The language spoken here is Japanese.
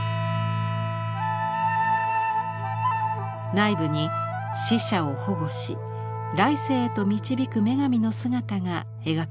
内部に死者を保護し来世へと導く女神の姿が描かれています。